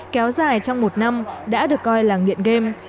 kéo dài trong một năm đã được coi là nghiện game